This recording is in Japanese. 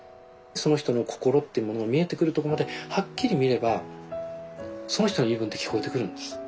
その人の心っていうものが見えてくるとこまではっきり見ればその人の言い分って聞こえてくるんです。